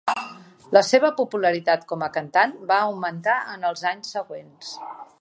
La seva popularitat com a cantant va augmentar en els anys següents.